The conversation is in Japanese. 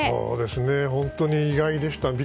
本当に意外でした。